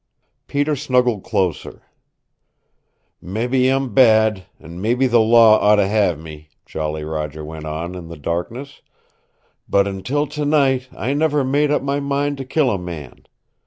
Peter snuggled closer. "Mebby I'm bad, and mebby the law ought to have me," Jolly Roger went on in the darkness, "but until tonight I never made up my mind to kill a man.